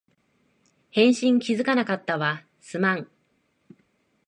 返信気づかなかったわ、すまん